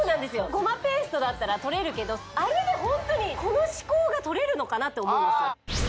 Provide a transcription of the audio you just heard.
ごまペーストだったらとれるけどあれでホントにこの歯垢がとれるのかなって思うんですよ